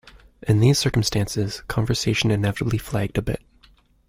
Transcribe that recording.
In these circumstances, conversation inevitably flagged a bit.